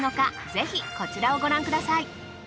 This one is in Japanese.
ぜひこちらをご覧ください